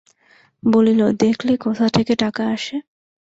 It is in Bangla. বলিল, দেখলে কোথা থেকে টাকা আসে?